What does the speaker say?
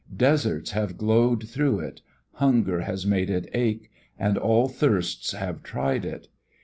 Deserts have glowed through it, hunger has made it ache and all thirsts have tried it.